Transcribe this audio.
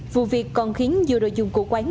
vụ việc còn khiến nhiều đồ dùng của quán